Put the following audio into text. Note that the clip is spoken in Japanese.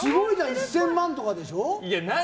１０００万円とかでしょ。